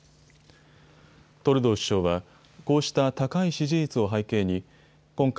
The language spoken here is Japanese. トルドー首相はこうした高い支持率を背景に今回、